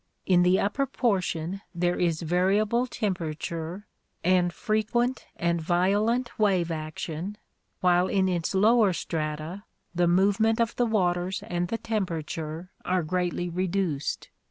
In the upper portion there is variable temperature and frequent and violent wave ac tion, while in its lower strata the movement of the waters and the temperature are greatly reduced.